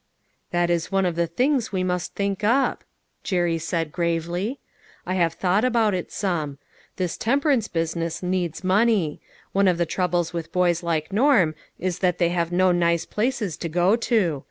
" That is one of the things we must think up," Jerry said gravely. "I have thought about it some. This temperance business needs money. One of the troubles with boys like Norm is that they have no nice places to go to.